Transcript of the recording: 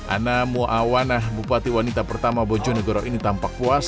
anamu awanah bupati wanita pertama bojo nagoro ini tampak puas